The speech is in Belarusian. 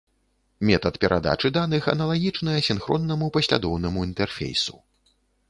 Метад перадачы даных аналагічны асінхроннаму паслядоўнаму інтэрфейсу.